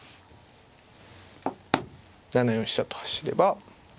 ７四飛車と走れば。